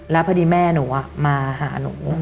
แล้วพอดีแม่หนูมาหาหนู